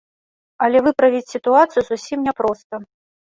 Але выправіць сітуацыю зусім няпроста.